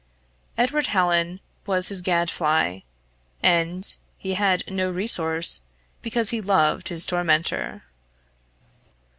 Edward Hallin was his gad fly; and he had no resource, because he loved his tormentor.